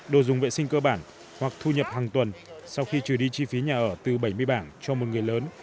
đồ dùng vệ sinh cơ bản hoặc thu nhập hàng tuần sau khi trừ đi chi phí nhà ở từ bảy mươi bảng cho một người lớn